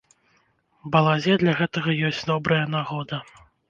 Балазе для гэтага ёсць добрая нагода.